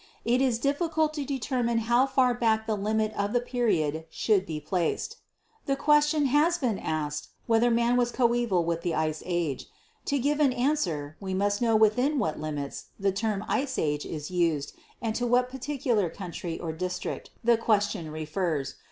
It is difficult to determine how far back the limit of the period should be placed. The question has often been asked 236 GEOLOGY whether man was coeval with the Ice Age. To give an answer, we must know within what limits the term Ice Age is used and to what particular country or district the question refers.